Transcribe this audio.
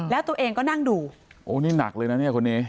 แล้วตัวเองก็นั่งดูโอ้นี่หนักเลยนะเนี่ยคนนี้